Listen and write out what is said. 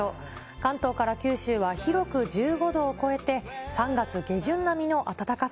関東から九州は広く１５度を超えて、３月下旬並みの暖かさ。